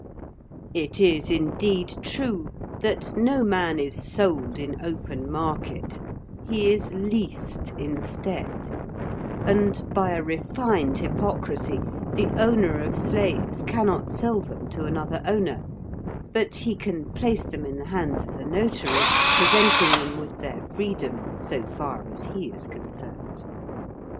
It is, indeed, true that no man is sold in open market, he is leased instead; and, by a refined hypocrisy, the owner of slaves cannot sell them to another owner, but he can place them in the hands of the notary, presenting them with their freedom, so far as he is concerned.